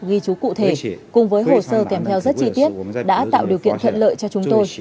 ghi chú cụ thể cùng với hồ sơ kèm theo rất chi tiết đã tạo điều kiện thuận lợi cho chúng tôi